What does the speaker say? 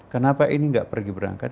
kenapa ini nggak pergi berangkat